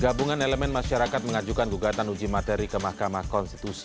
gabungan elemen masyarakat mengajukan gugatan uji materi ke mahkamah konstitusi